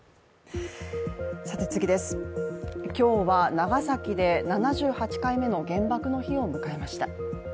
今日は長崎で７８回目の原爆の日を迎えました。